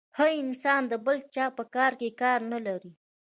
ښه انسان د بل چا په کار کي کار نلري .